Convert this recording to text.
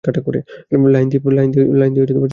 Line দিয়ে চলতে হয়।